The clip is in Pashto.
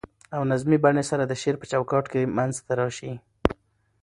او نظمي بڼې سره د شعر په چو کاټ کي منځ ته راشي.